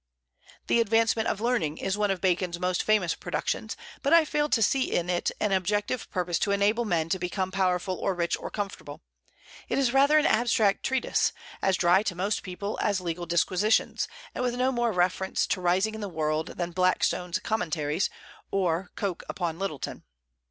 "The Advancement of Learning" is one of Bacon's most famous productions, but I fail to see in it an objective purpose to enable men to become powerful or rich or comfortable; it is rather an abstract treatise, as dry to most people as legal disquisitions, and with no more reference to rising in the world than "Blackstone's Commentaries" or "Coke upon Littleton."